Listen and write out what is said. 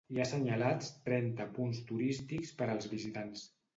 Hi ha assenyalats trenta punts turístics per als visitants.